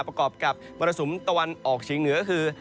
ประกอบกับมรสุมตะวันออกเฉียงเหนือก็คือ